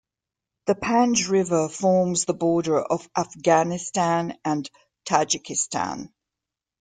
The Panj River forms the border of Afghanistan and Tajikistan.